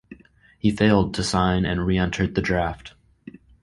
He failed to sign and re-entered the draft.